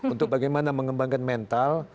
untuk bagaimana mengembangkan mental